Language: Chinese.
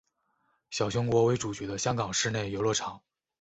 小熊国为主角的香港室内游乐场。